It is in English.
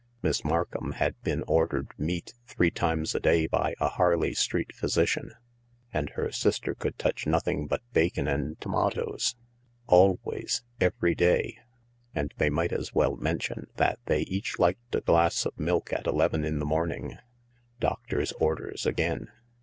Miss Markham had been ordered meat three times a day by a Harley Street physician, and hersistercould touch nothing but bacon and tomatoes. Always — every day. And they might as well mention that they each liked a glass of milk at THE LARK 199 eleven in the morning. Doctor's orders again.